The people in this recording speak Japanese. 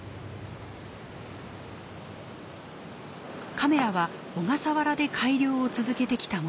カメラは小笠原で改良を続けてきたもの。